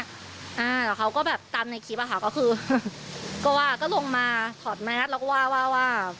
แต่เขาก็แบบตามในคลิปค่ะก็คือก็ว่าก็ลงมาถอดแมทแล้วก็ว่า